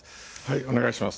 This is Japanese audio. お願いします。